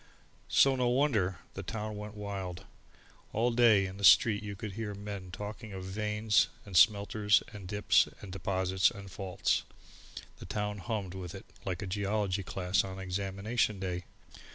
So no wonder the town went wild! All day in the street you could hear men talking of veins, and smelters and dips and deposits and faults, the town hummed with it like a geology class on examination day.